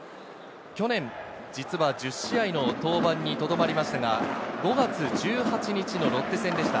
去年、実は１０試合の登板と留まりましたが、５月１８日のロッテ戦でした。